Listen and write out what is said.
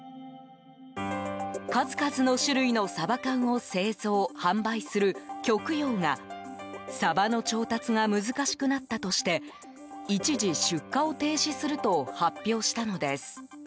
数々の種類のサバ缶を製造・販売する極洋がサバの調達が難しくなったとして一時、出荷を停止すると発表したのです。